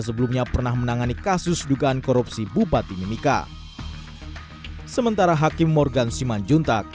sebelumnya pernah menangani kasus dugaan korupsi bupati mimika sementara hakim morgan simanjuntak